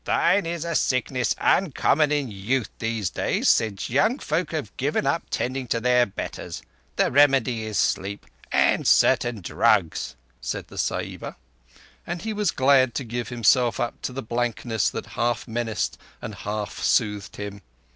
"Thine is a sickness uncommon in youth these days: since young folk have given up tending their betters. The remedy is sleep, and certain drugs," said the Sahiba; and he was glad to give himself up to the blankness that half menaced and half soothed him.